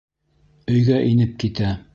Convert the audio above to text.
Өйгә инеп китә.